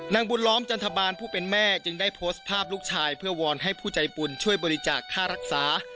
นางบุญล้อมจันทบาลผู้เป็นแม่จึงได้โพสต์ภาพลูกชายเพื่อวอนให้ผู้ใจบุญช่วยบริจาคค่ารักษา